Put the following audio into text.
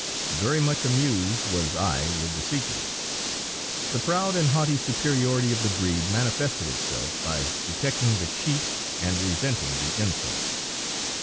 Very much amused was I with the sequel. The proud and haughty superiority of the breed manifested itself by detecting the cheat and resenting the insult.